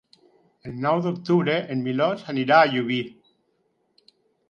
El nou d'octubre en Milos anirà a Llubí.